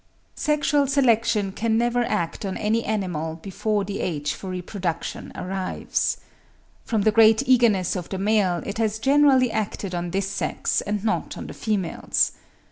Sexual selection can never act on any animal before the age for reproduction arrives. From the great eagerness of the male it has generally acted on this sex and not on the females.